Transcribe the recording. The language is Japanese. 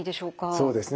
そうですね